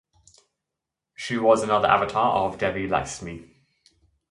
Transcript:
She was another avatar of Devi Laxmi.